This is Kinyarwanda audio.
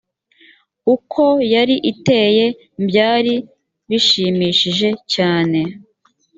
uko yari iteye mbyari bishimishije cyane.